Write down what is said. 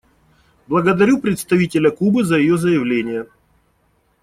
Благодарю представителя Кубы за ее заявление.